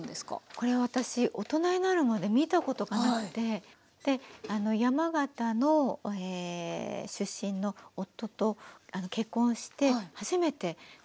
これ私大人になるまで見たことがなくて山形の出身の夫と結婚して初めて食べたんですね。